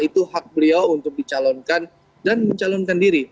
itu hak beliau untuk dicalonkan dan mencalonkan diri